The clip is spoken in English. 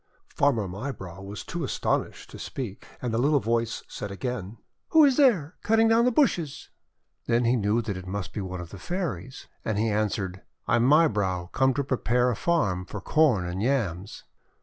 Farmer Mybrow was too astonished to speak, and the little voice said again : 'Who is there, cutting down the bushes?' Then he knew that it must be one of the Fairies, and he answered :— 'I am Mybrow come to prepare a farm for Corn and Yams."